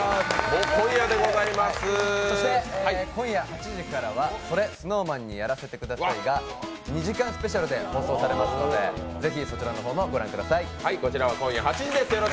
そして今夜８時からは「それＳｎｏｗＭａｎにやらせて下さい」が２時間スペシャルで放送されますのでぜひそちらの方もご覧ください。